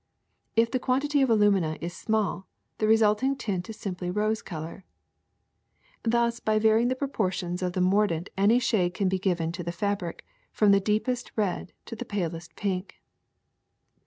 If the quan tity of alumina is small, the resulting tint is simply rose color. Thus by var^^ing the proportion of the mordant any shade can be given to the fabric, from the deepest red to the palest pink.